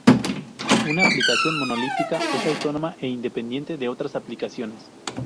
Una aplicación monolítica es autónoma, e independiente de otras aplicaciones.